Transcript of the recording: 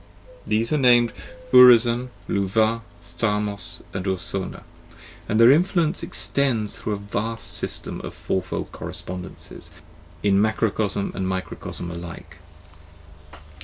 .These are named Urizen, Luvah, Tharmas, and Urthona, and their influence extends through a vast system of fourfold correspondences in macrocosm and microcosm alike.